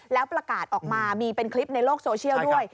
แล้วประกาศออกมามีเป็นคลิปในโลกโซเชียลด้วย